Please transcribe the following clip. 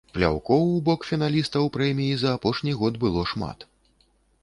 Пляўкоў у бок фіналістаў прэміі за апошні год было шмат.